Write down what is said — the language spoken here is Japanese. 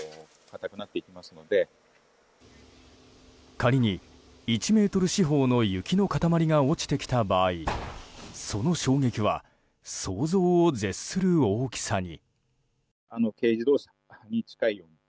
仮に、１ｍ四方の雪の塊が落ちてきた場合その衝撃は想像を絶する大きさに。